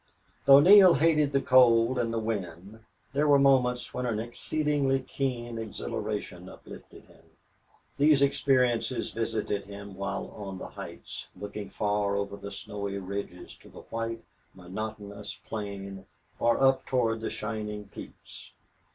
Though Neale hated the cold and the wind, there were moments when an exceedingly keen exhilaration uplifted him. These experiences visited him while on the heights, looking far over the snowy ridges to, the white, monotonous plain or up toward the shining peaks.